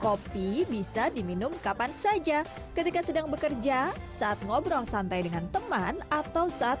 kopi bisa diminum kapan saja ketika sedang bekerja saat ngobrol santai dengan teman atau saat